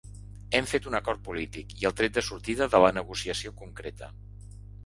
“Hem fet un acord polític i el tret de sortida de la negociació concreta”.